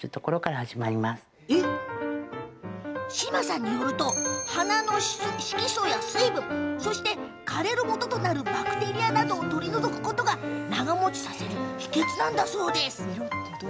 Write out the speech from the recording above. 嶋さんによると、花の色素や水分そして枯れるもととなるバクテリアなどを取り除くことが長もちさせる秘けつなんだそうです。